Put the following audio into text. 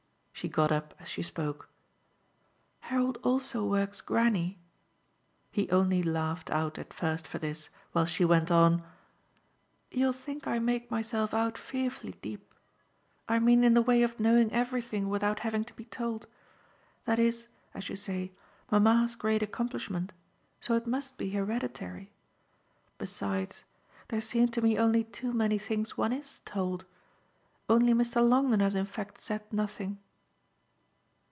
She got up as she spoke. "Harold also works Granny." He only laughed out at first for this, while she went on: "You'll think I make myself out fearfully deep I mean in the way of knowing everything without having to be told. That IS, as you say, mamma's great accomplishment, so it must be hereditary. Besides, there seem to me only too many things one IS told. Only Mr. Longdon has in fact said nothing."